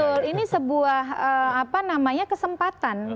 betul ini sebuah kesempatan